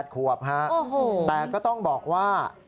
๘ขวบครับแต่ก็ต้องบอกว่า